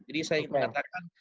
jadi saya mengatakan